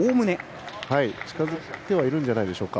近づいてはいるんじゃないでしょうか。